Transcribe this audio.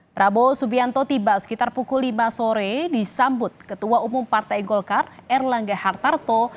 prabowo subianto tiba sekitar pukul lima sore disambut ketua umum partai golkar erlangga hartarto